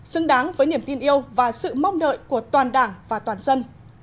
xứng đáng với niềm tin yêu và sự mong đợi của toàn đảng và toàn dân